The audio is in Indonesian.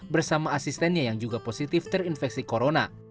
bersama asistennya yang juga positif terinfeksi corona